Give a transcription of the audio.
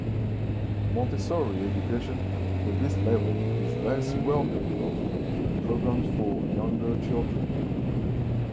Montessori education for this level is less well-developed than programs for younger children.